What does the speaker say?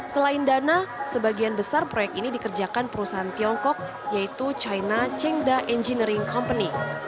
selain dana sebagian besar proyek ini dikerjakan perusahaan tiongkok yaitu china chengda engineering company